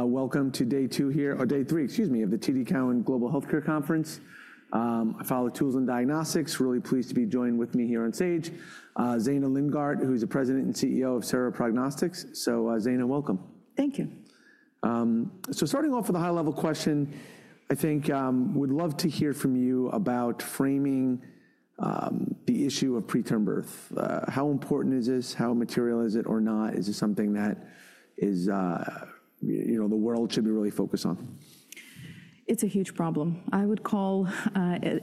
Welcome to day two here, or day three, excuse me, of the TD Cowen Global Healthcare Conference. I follow tools and diagnostics. Really pleased to be joined with me here on stage, Zhenya Lindgardt, who is the President and CEO of Sera Prognostics. Zhenya, welcome. Thank you. Starting off with a high-level question, I think we'd love to hear from you about framing the issue of preterm birth. How important is this? How material is it or not? Is this something that the world should be really focused on? It's a huge problem. I would call,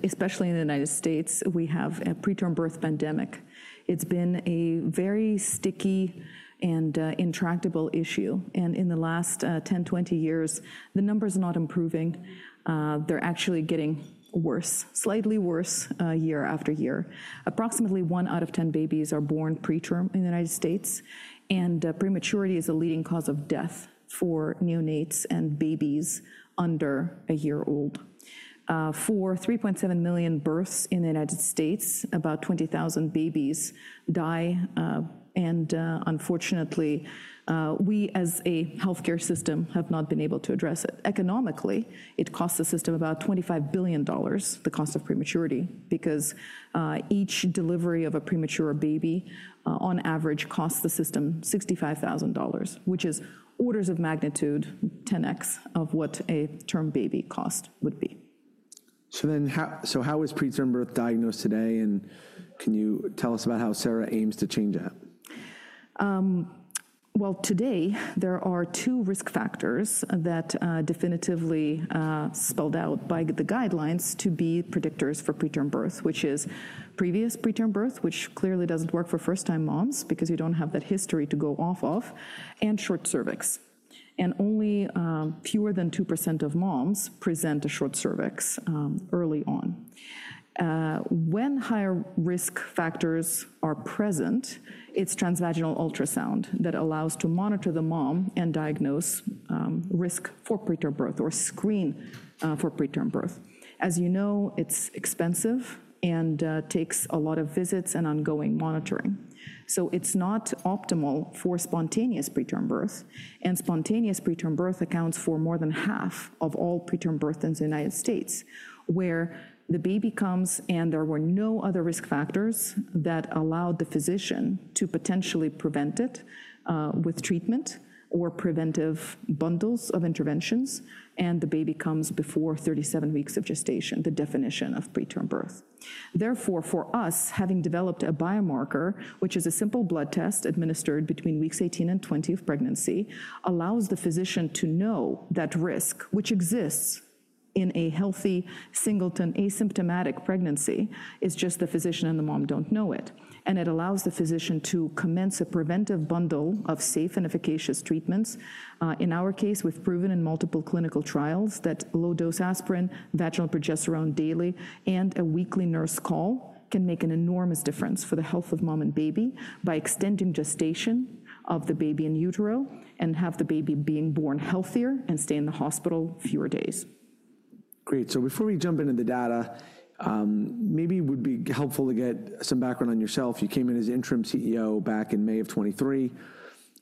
especially in the United States, we have a preterm birth pandemic. It's been a very sticky and intractable issue. In the last 10-20 years, the numbers are not improving. They're actually getting worse, slightly worse year after year. Approximately one out of 10 babies are born preterm in the United States. Prematurity is a leading cause of death for neonates and babies under a year old. For 3.7 million births in the United States, about 20,000 babies die. Unfortunately, we as a healthcare system have not been able to address it. Economically, it costs the system about $25 billion, the cost of prematurity, because each delivery of a premature baby on average costs the system $65,000, which is orders of magnitude 10x of what a term baby cost would be. How is preterm birth diagnosed today? Can you tell us about how Sera aims to change that? Today, there are two risk factors that are definitively spelled out by the guidelines to be predictors for preterm birth, which is previous preterm birth, which clearly does not work for first-time moms because you do not have that history to go off of, and short cervix. Only fewer than 2% of moms present a short cervix early on. When higher risk factors are present, it is transvaginal ultrasound that allows us to monitor the mom and diagnose risk for preterm birth or screen for preterm birth. As you know, it is expensive and takes a lot of visits and ongoing monitoring. It is not optimal for spontaneous preterm birth. Spontaneous preterm birth accounts for more than half of all preterm birth in the United States, where the baby comes and there were no other risk factors that allowed the physician to potentially prevent it with treatment or preventive bundles of interventions. The baby comes before 37 weeks of gestation, the definition of preterm birth. Therefore, for us, having developed a biomarker, which is a simple blood test administered between weeks 18 and 20 of pregnancy, allows the physician to know that risk, which exists in a healthy singleton asymptomatic pregnancy, is just the physician and the mom do not know it. It allows the physician to commence a preventive bundle of safe and efficacious treatments. In our case, we have proven in multiple clinical trials that low-dose aspirin, vaginal progesterone daily, and a weekly nurse call can make an enormous difference for the health of mom and baby by extending gestation of the baby in utero and have the baby being born healthier and stay in the hospital fewer days. Great. Before we jump into the data, maybe it would be helpful to get some background on yourself. You came in as interim CEO back in May of 2023.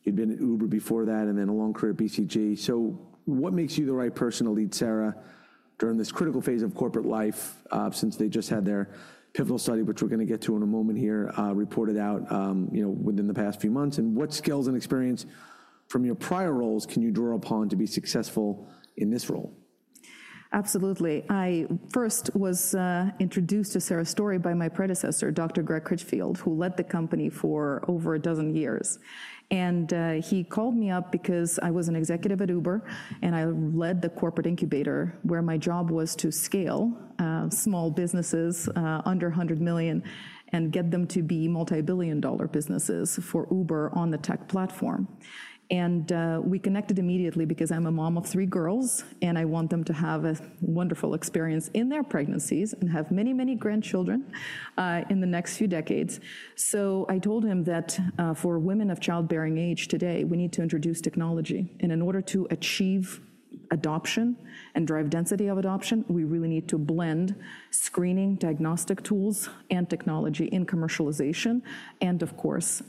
You'd been at Uber before that and then a long career at BCG. What makes you the right person to lead Sera during this critical phase of corporate life since they just had their pivotal study, which we're going to get to in a moment here, reported out within the past few months? What skills and expIriyence from your prior roles can you draw upon to be successful in this role? Absolutely. I first was introduced to Sera Story by my predecessor, Dr. Greg Critchfield, who led the company for over a dozen years. He called me up because I was an executive at Uber and I led the corporate incubator where my job was to scale small businesses under $100 million and get them to be multibillion-dollar businesses for Uber on the tech platform. We connected immediately because I'm a mom of three girls and I want them to have a wonderful experience in their pregnancies and have many, many grandchildren in the next few decades. I told him that for women of childbearing age today, we need to introduce technology. In order to achieve adoption and drive density of adoption, we really need to blend screening, diagnostic tools, and technology in commercialization, and of course,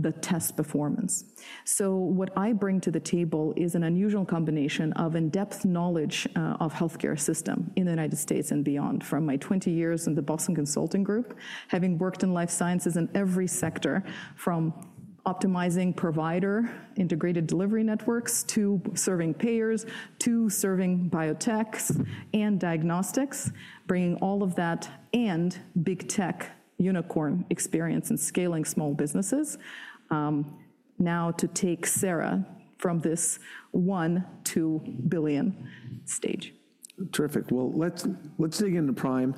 the test performance. What I bring to the table is an unusual combination of in-depth knowledge of the healthcare system in the United States and beyond from my 20 years in the Boston Consulting Group, having worked in life sciences in every sector from optimizing provider integrated delivery networks to serving payers to serving biotechs and diagnostics, bringing all of that and big tech unicorn expIriyence and scaling small businesses now to take Sera from this $1 billion-$ billion stage. Terrific. Let's dig into PRIME.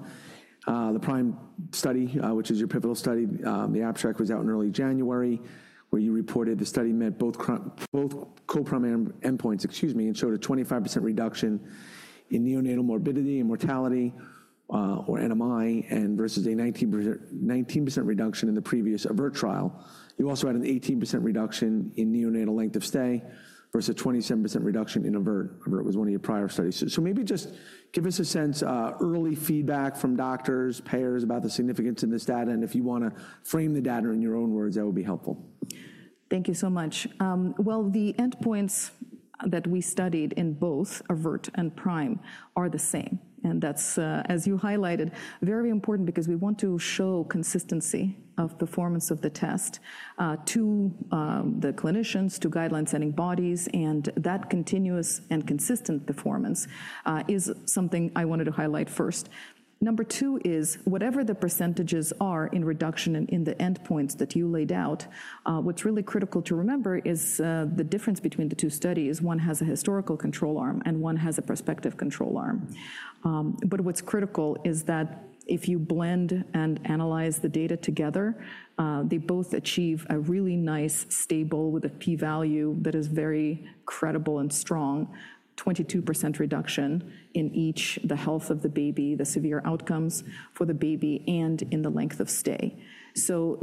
The PRIME study, which is your pivotal study, the abstract was out in early January, where you reported the study met both co-primary endpoints, excuse me, and showed a 25% reduction in neonatal morbidity and mortality or NMI versus a 19% reduction in the previous AVERT trial. You also had an 18% reduction in neonatal length of stay versus a 27% reduction in AVERT. AVERT was one of your prior studies. Maybe just give us a sense of early feedback from doctors, payers about the significance of this data. If you want to frame the data in your own words, that would be helpful. Thank you so much. The endpoints that we studied in both AVERT and PRIME are the same. That is, as you highlighted, very important because we want to show consistency of performance of the test to the clinicians, to guideline-setting bodies. That continuous and consistent performance is something I wanted to highlight first. Number two is whatever the percentages are in reduction and in the endpoints that you laid out, what is really critical to remember is the difference between the two studies. One has a historical control arm and one has a prospective control arm. What is critical is that if you blend and analyze the data together, they both achieve a really nice stable with a p-value that is very credible and strong, 22% reduction in each, the health of the baby, the severe outcomes for the baby, and in the length of stay.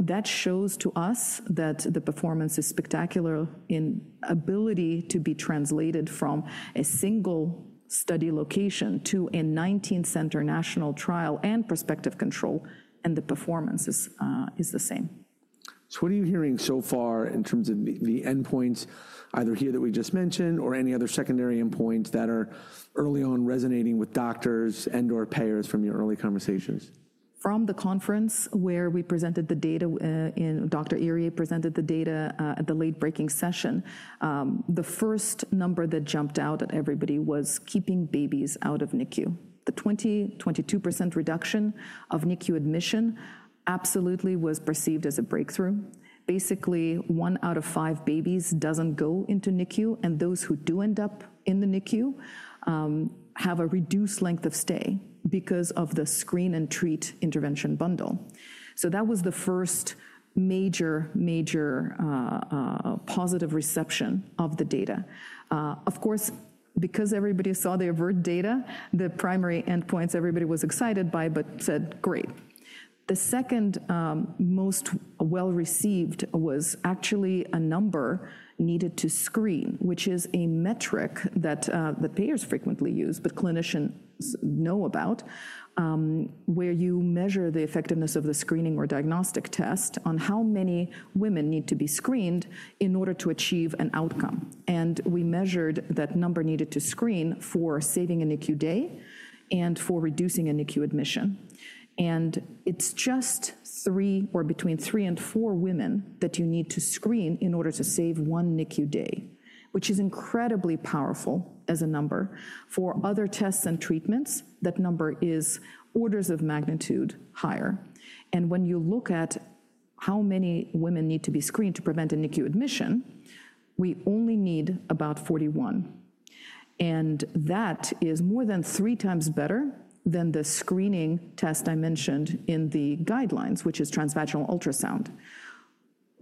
That shows to us that the performance is spectacular in ability to be translated from a single study location to a 19-center national trial and prospective control, and the performance is the same. What are you hearing so far in terms of the endpoints either here that we just mentioned or any other secondary endpoints that are early on resonating with doctors and/or payers from your early conversations? From the conference where we presented the data, Dr. Iriye presented the data at the late-breaking session, the first number that jumped out at everybody was keeping babies out of NICU. The 20%-22% reduction of NICU admission absolutely was perceived as a breakthrough. Basically, one out of five babies doesn't go into NICU, and those who do end up in the NICU have a reduced length of stay because of the screen and treat intervention bundle. That was the first major, major positive reception of the data. Of course, because everybody saw the AVERT data, the primary endpoints everybody was excited by, but said, great. The second most well-received was actually a number needed to screen, which is a metric that payers frequently use, but clinicians know about, where you measure the effectiveness of the screening or diagnostic test on how many women need to be screened in order to achieve an outcome. We measured that number needed to screen for saving a NICU day and for reducing a NICU admission. It is just three or between three and four women that you need to screen in order to save one NICU day, which is incredibly powerful as a number. For other tests and treatments, that number is orders of magnitude higher. When you look at how many women need to be screened to prevent a NICU admission, we only need about 41. That is more than three times better than the screening test I mentioned in the guidelines, which is transvaginal ultrasound.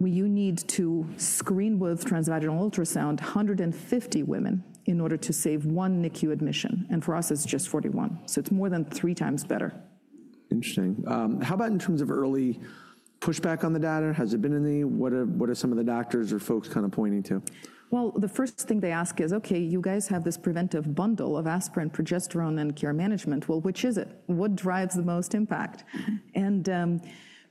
You need to screen with transvaginal ultrasound 150 women in order to save one NICU admission. For us, it is just 41. It is more than three times better. Interesting. How about in terms of early pushback on the data? Has it been any? What are some of the doctors or folks kind of pointing to? The first thing they ask is, okay, you guys have this preventive bundle of aspirin, progesterone, and care management. Which is it? What drives the most impact?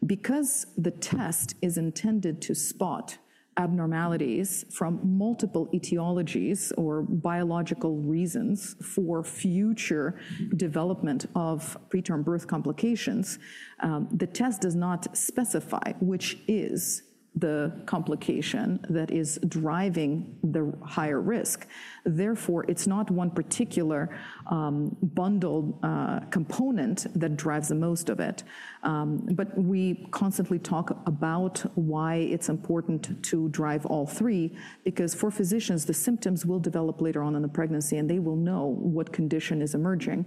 Because the test is intended to spot abnormalities from multiple etiologies or biological reasons for future development of preterm birth complications, the test does not specify which is the complication that is driving the higher risk. Therefore, it is not one particular bundle component that drives the most of it. We constantly talk about why it is important to drive all three, because for physicians, the symptoms will develop later on in the pregnancy and they will know what condition is emerging.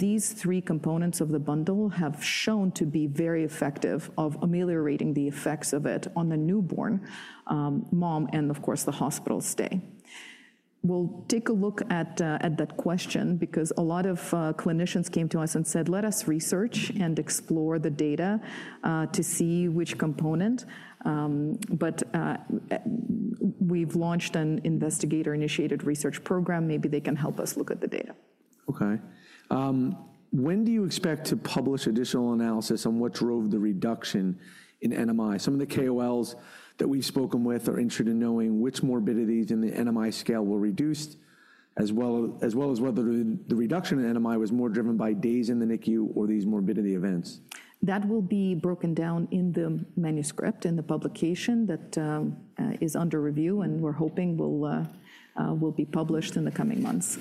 These three components of the bundle have shown to be very effective at ameliorating the effects of it on the newborn mom and, of course, the hospital stay. We'll take a look at that question because a lot of clinicians came to us and said, let us research and explore the data to see which component. We have launched an investigator-initiated research program. Maybe they can help us look at the data. Okay. When do you expect to publish additional analysis on what drove the reduction in NMI? Some of the KOLs that we've spoken with are interested in knowing which morbidities in the NMI scale were reduced, as well as whether the reduction in NMI was more driven by days in the NICU or these morbidity events. That will be broken down in the manuscript and the publication that is under review, and we're hoping will be published in the coming months.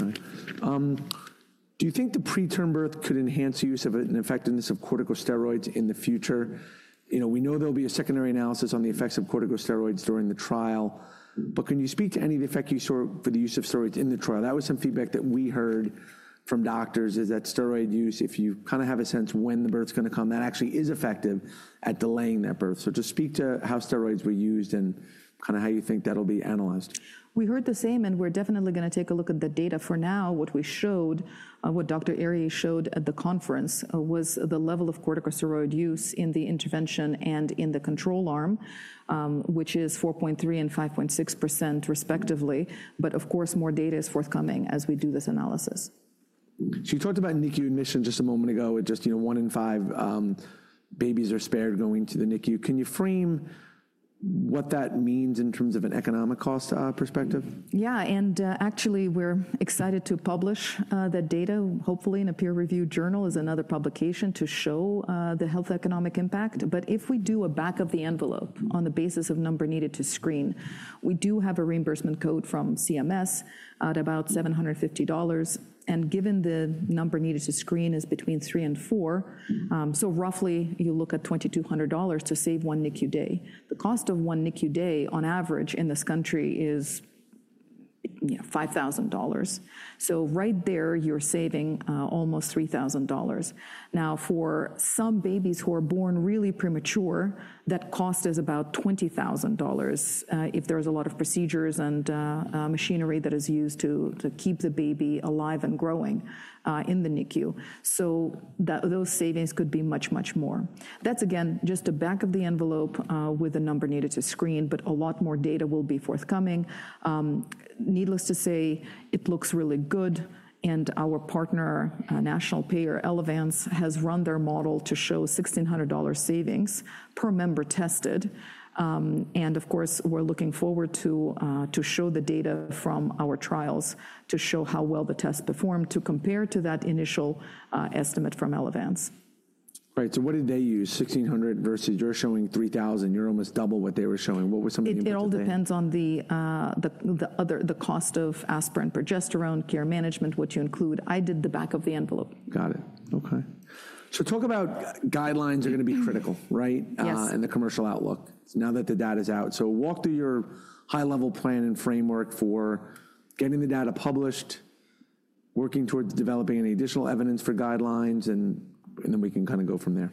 Okay. Do you think the preterm birth could enhance the use of the effectiveness of corticosteroids in the future? We know there'll be a secondary analysis on the effects of corticosteroids during the trial, but can you speak to any of the effect you saw for the use of steroids in the trial? That was some feedback that we heard from doctors is that steroid use, if you kind of have a sense when the birth's going to come, that actually is effective at delaying that birth. Just speak to how steroids were used and kind of how you think that'll be analyzed. We heard the same, and we're definitely going to take a look at the data. For now, what we showed, what Dr. Iriye showed at the conference, was the level of corticosteroid use in the intervention and in the control arm, which is 4.3% and 5.6% respectively. Of course, more data is forthcoming as we do this analysis. You talked about NICU admission just a moment ago, just one in five babies are spared going to the NICU. Can you frame what that means in terms of an economic cost perspective? Yeah, and actually, we're excited to publish that data, hopefully in a peer-reviewed journal as another publication to show the health economic impact. If we do a back of the envelope on the basis of number needed to screen, we do have a reimbursement code from CMS at about $750. Given the number needed to screen is between three and four, so roughly you look at $2,200 to save one NICU day. The cost of one NICU day on average in this country is $5,000. Right there, you're saving almost $3,000. Now, for some babies who are born really premature, that cost is about $20,000 if there's a lot of procedures and machinery that is used to keep the baby alive and growing in the NICU. Those savings could be much, much more. That's, again, just a back of the envelope with a number needed to screen, but a lot more data will be forthcoming. Needless to say, it looks really good. Our partner, national payer Elevance, has run their model to show $1,600 savings per member tested. Of course, we're looking forward to show the data from our trials to show how well the test performed to compare to that initial estimate from Elevance. Right. So what did they use? $1,600 versus you're showing $3,000. You're almost double what they were showing. What were some of the impacts? It all depends on the cost of aspirin, progesterone, care management, what you include. I did the back of the envelope. Got it. Okay. Talk about guidelines are going to be critical, right, and the commercial outlook now that the data's out. Walk through your high-level plan and framework for getting the data published, working towards developing any additional evidence for guidelines, and then we can kind of go from there.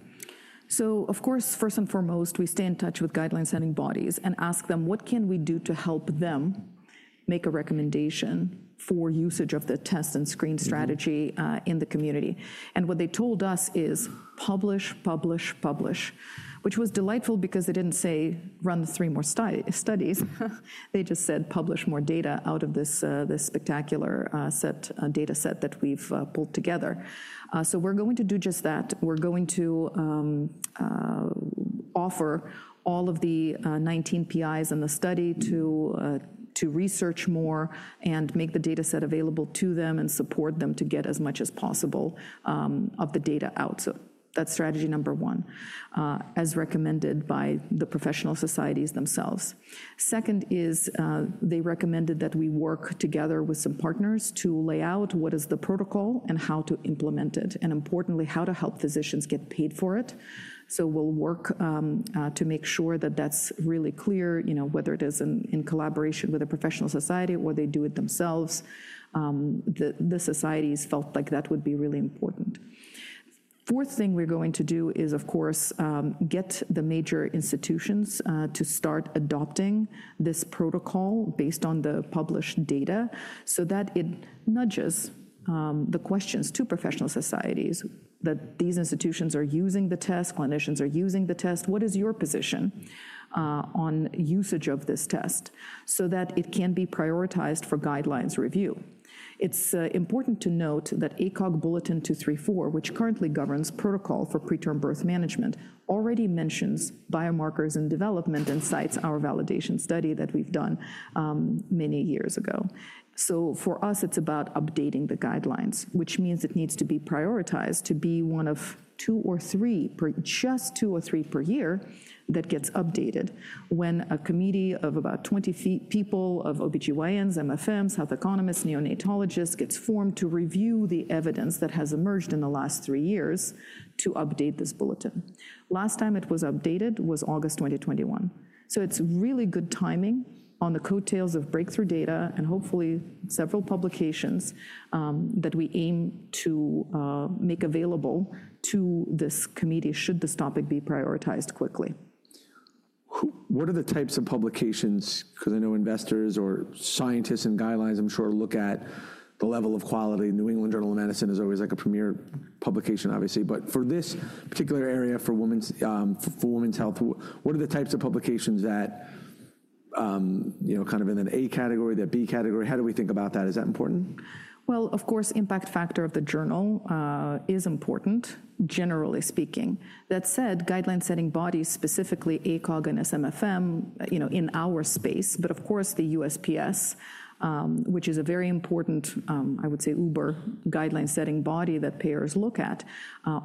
Of course, first and foremost, we stay in touch with guideline-setting bodies and ask them, what can we do to help them make a recommendation for usage of the test and screen strategy in the community? What they told us is publish, publish, publish, which was delightful because they did not say run three more studies. They just said publish more data out of this spectacular data set that we have pulled together. We are going to do just that. We are going to offer all of the 19 PIs in the study to research more and make the data set available to them and support them to get as much as possible of the data out. That is strategy number one, as recommended by the professional societies themselves. Second is they recommended that we work together with some partners to lay out what is the protocol and how to implement it, and importantly, how to help physicians get paid for it. We will work to make sure that that is really clear, whether it is in collaboration with a professional society or they do it themselves. The societies felt like that would be really important. Fourth thing we are going to do is, of course, get the major institutions to start adopting this protocol based on the published data so that it nudges the questions to professional societies that these institutions are using the test, clinicians are using the test. What is your position on usage of this test so that it can be prioritized for guidelines review? It's important to note that ACOG Bulletin 234, which currently governs protocol for preterm birth management, already mentions biomarkers in development and cites our validation study that we've done many years ago. For us, it's about updating the guidelines, which means it needs to be prioritized to be one of two or three, just two or three per year that gets updated when a committee of about 20 people of OB-GYNs, MFMs, health economists, neonatologists gets formed to review the evidence that has emerged in the last three years to update this bulletin. Last time it was updated was August 2021. It's really good timing on the coattails of breakthrough data and hopefully several publications that we aim to make available to this committee should this topic be prioritized quickly. What are the types of publications? Because I know investors or scientists and guidelines, I'm sure, look at the level of quality. New England Journal of Medicine is always like a premier publication, obviously. But for this particular area for women's health, what are the types of publications that kind of in an A category, the B category? How do we think about that? Is that important? Of course, impact factor of the journal is important, generally speaking. That said, guideline-setting bodies, specifically ACOG and SMFM in our space, but of course, the USPSTF, which is a very important, I would say, uber guideline-setting body that payers look at,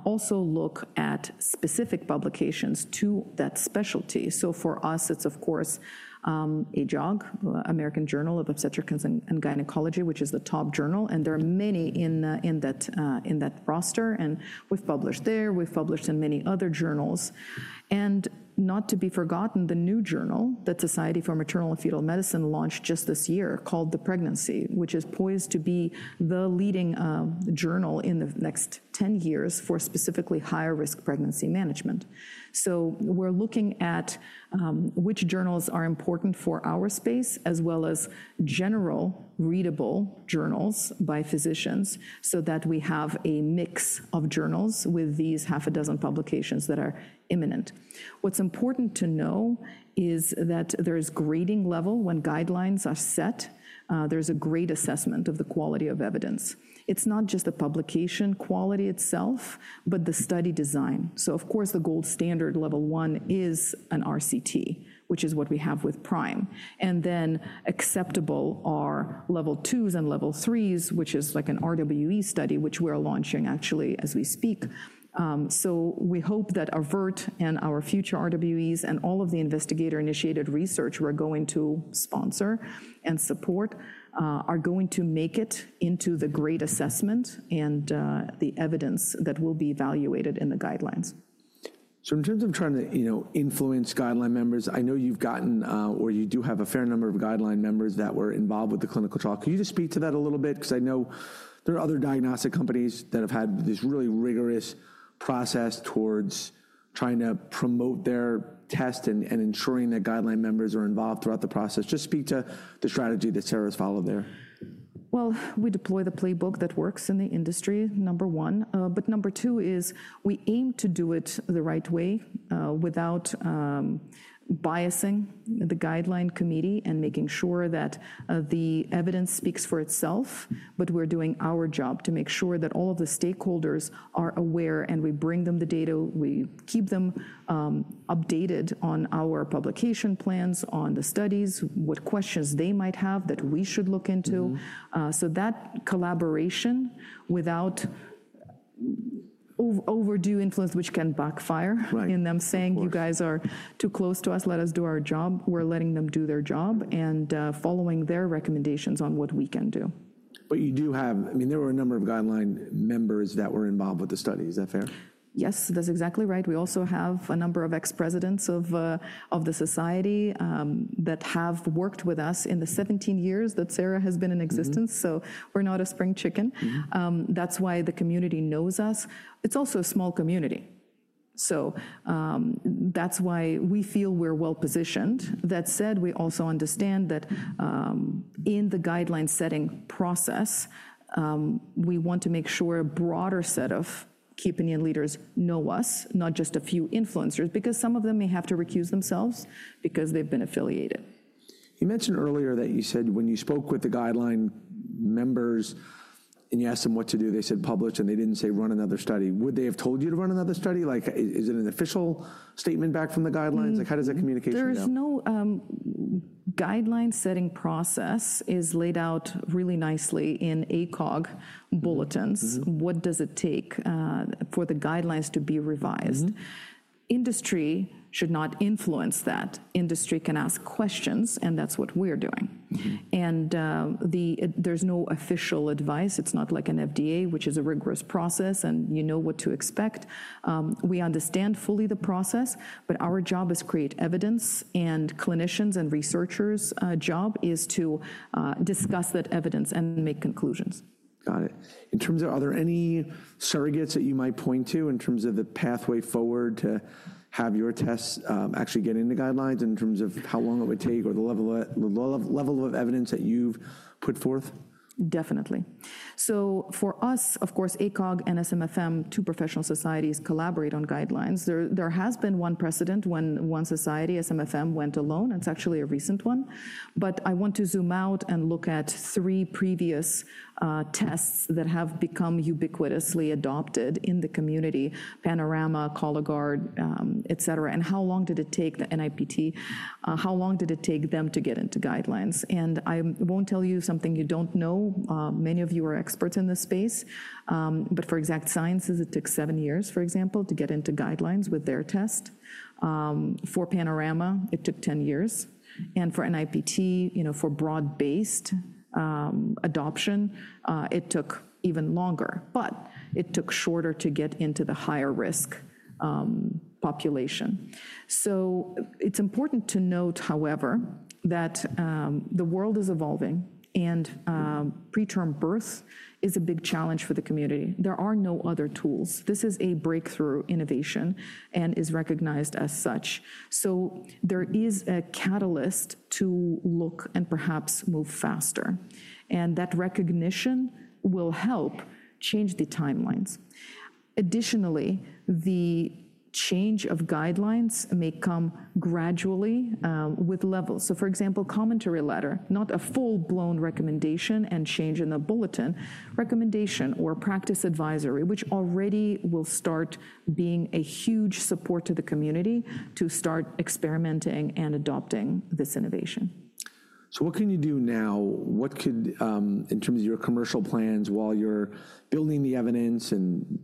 also look at specific publications to that specialty. For us, it's of course AJOG, American Journal of Obstetrics and Gynecology, which is the top journal. There are many in that roster. We've published there. We've published in many other journals. Not to be forgotten, the new journal that Society for Maternal-Fetal Medicine launched just this year called The PREGNANCY, which is poised to be the leading journal in the next 10 years for specifically higher-risk pregnancy management. We're looking at which journals are important for our space, as well as general readable journals by physicians so that we have a mix of journals with these half a dozen publications that are imminent. What's important to know is that there is grading level when guidelines are set. There's a grade assessment of the quality of evidence. It's not just the publication quality itself, but the study design. Of course, the gold standard level one is an RCT, which is what we have with PRIME. Then acceptable are level twos and level threes, which is like an RWE study, which we're launching actually as we speak. We hope that AVERT and our future RWEs and all of the investigator-initiated research we're going to sponsor and support are going to make it into the grade assessment and the evidence that will be evaluated in the guidelines. In terms of trying to influence guideline members, I know you've gotten or you do have a fair number of guideline members that were involved with the clinical trial. Could you just speak to that a little bit? Because I know there are other diagnostic companies that have had this really rigorous process towards trying to promote their test and ensuring that guideline members are involved throughout the process. Just speak to the strategy that Sera's followed there. We deploy the playbook that works in the industry, number one. Number two is we aim to do it the right way without biasing the guideline committee and making sure that the evidence speaks for itself. We are doing our job to make sure that all of the stakeholders are aware and we bring them the data. We keep them updated on our publication plans, on the studies, what questions they might have that we should look into. That collaboration without overdue influence, which can backfire in them saying, you guys are too close to us, let us do our job. We are letting them do their job and following their recommendations on what we can do. You do have, I mean, there were a number of guideline members that were involved with the study. Is that fair? Yes, that's exactly right. We also have a number of ex-presidents of the society that have worked with us in the 17 years that Sera has been in existence. We are not a spring chicken. That's why the community knows us. It's also a small community. That's why we feel we're well positioned. That said, we also understand that in the guideline-setting process, we want to make sure a broader set of KOL leaders know us, not just a few influencers, because some of them may have to recuse themselves because they've been affiliated. You mentioned earlier that you said when you spoke with the guideline members and you asked them what to do, they said publish and they didn't say run another study. Would they have told you to run another study? Is it an official statement back from the guidelines? How does that communication go? There is no guideline-setting process that is laid out really nicely in ACOG bulletins. What does it take for the guidelines to be revised? Industry should not influence that. Industry can ask questions, and that's what we're doing. There is no official advice. It's not like an FDA, which is a rigorous process and you know what to expect. We understand fully the process, but our job is to create evidence, and clinicians and researchers' job is to discuss that evidence and make conclusions. Got it. In terms of, are there any surrogates that you might point to in terms of the pathway forward to have your tests actually get into guidelines in terms of how long it would take or the level of evidence that you've put forth? Definitely. For us, of course, ACOG and SMFM, two professional societies, collaborate on guidelines. There has been one precedent when one society, SMFM, went alone. It is actually a recent one. I want to zoom out and look at three previous tests that have become ubiquitously adopted in the community: Panorama, Cologuard, et cetera. How long did it take the NIPT? How long did it take them to get into guidelines? I will not tell you something you do not know. Many of you are experts in this space. For Exact Sciences, it took seven years, for example, to get into guidelines with their test. For Panorama, it took 10 years. For NIPT, for broad-based adoption, it took even longer. It took shorter to get into the higher-risk population. It is important to note, however, that the world is evolving and preterm birth is a big challenge for the community. There are no other tools. This is a breakthrough innovation and is recognized as such. There is a catalyst to look and perhaps move faster. That recognition will help change the timelines. Additionally, the change of guidelines may come gradually with levels. For example, commentary letter, not a full-blown recommendation and change in the bulletin, recommendation or practice advisory, which already will start being a huge support to the community to start experimenting and adopting this innovation. What can you do now? What could, in terms of your commercial plans while you're building the evidence and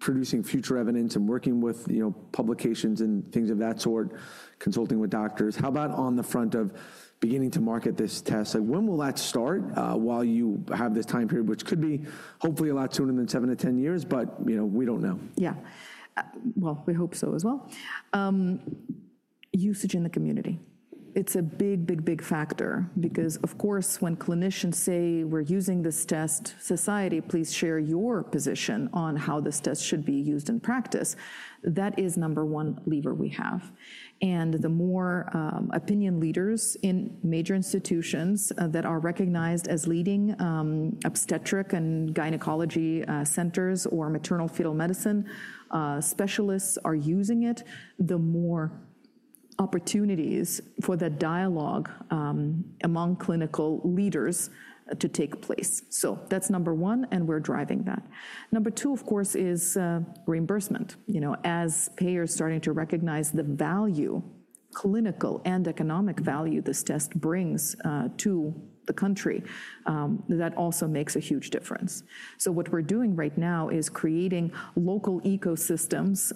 producing future evidence and working with publications and things of that sort, consulting with doctors, how about on the front of beginning to market this test? When will that start while you have this time period, which could be hopefully a lot sooner than 7-10 years, but we don't know. Yeah. We hope so as well. Usage in the community. It's a big, big, big factor because, of course, when clinicians say, we're using this test, society, please share your position on how this test should be used in practice. That is number one lever we have. The more opinion leaders in major institutions that are recognized as leading obstetric and gynecology centers or maternal-fetal medicine specialists are using it, the more opportunities for that dialogue among clinical leaders to take place. That's number one, and we're driving that. Number two, of course, is reimbursement. As payers are starting to recognize the value, clinical and economic value, this test brings to the country, that also makes a huge difference. What we're doing right now is creating local ecosystems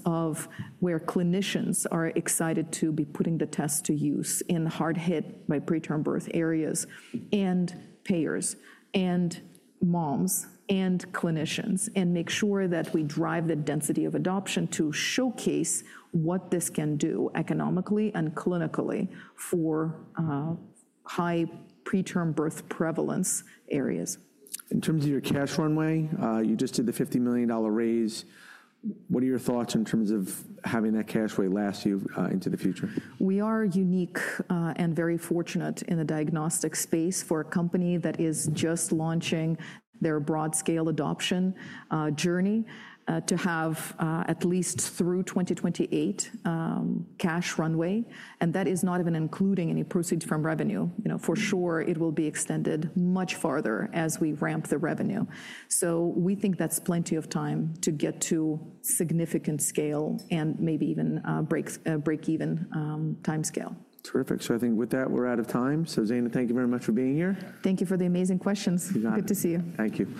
where clinicians are excited to be putting the test to use in hard-hit by preterm birth areas and payers and moms and clinicians and make sure that we drive the density of adoption to showcase what this can do economically and clinically for high preterm birth prevalence areas. In terms of your cash runway, you just did the $50 million raise. What are your thoughts in terms of having that cash wave last you into the future? We are unique and very fortunate in the diagnostic space for a company that is just launching their broad-scale adoption journey to have at least through 2028 cash runway. That is not even including any proceeds from revenue. For sure, it will be extended much farther as we ramp the revenue. We think that's plenty of time to get to significant scale and maybe even break-even timescale. Terrific. I think with that, we're out of time. Zhenya, thank you very much for being here. Thank you for the amazing questions. Good to see you. Thank you.